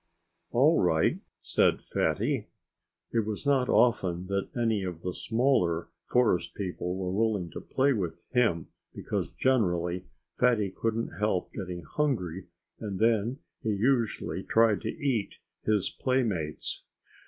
"All right!" said Fatty. It was not often that any of the smaller forest people were willing to play with him, because generally Fatty couldn't help getting hungry and then he usually tried to eat his playmates.